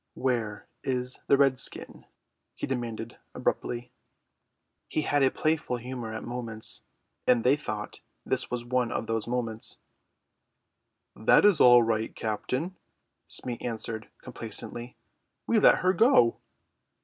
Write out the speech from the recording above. "Where is the redskin?" he demanded abruptly. He had a playful humour at moments, and they thought this was one of the moments. "That is all right, captain," Smee answered complacently; "we let her go."